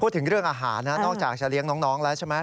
พูดถึงเรื่องอาหารนะนอกจากจะเลี้ยงน้องแล้วใช่ไหม